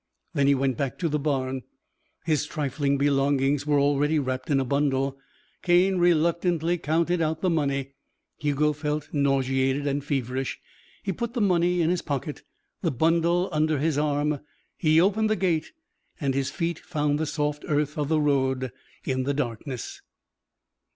Then he went back to the barn. His trifling belongings were already wrapped in a bundle. Cane reluctantly counted out the money. Hugo felt nauseated and feverish. He put the money in his pocket, the bundle under his arm; he opened the gate, and his feet found the soft earth of the road in the darkness.